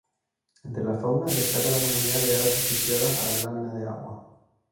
Entre la fauna, destaca la comunidad de aves asociadas a la lámina de agua.